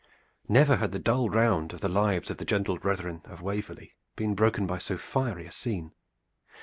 Never had the dull round of the lives of the gentle brethren of Waverley been broken by so fiery a scene.